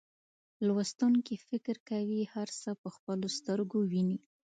لوستونکي فکر کوي هر څه په خپلو سترګو ویني.